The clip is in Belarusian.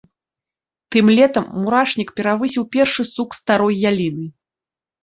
Тым летам мурашнік перавысіў першы сук старой яліны.